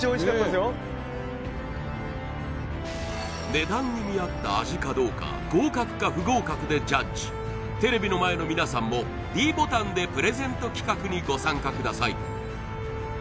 値段に見合った味かどうか合格か不合格でジャッジテレビの前の皆さんもｄボタンでプレゼント企画にご参加ください